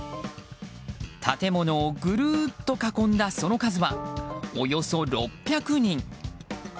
建物をぐるっと囲んだその数はおよそ６００人。